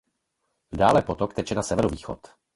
Dále potok teče na severovýchod.